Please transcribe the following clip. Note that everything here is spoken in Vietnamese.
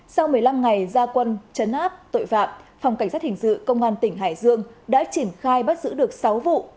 sau một mươi năm ngày gia quân chấn áp tội phạm phòng cảnh sát hình sự công an tỉnh hải dương đã triển khai bắt giữ được sáu vụ